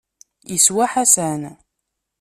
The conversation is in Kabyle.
Yeswa Ḥasan.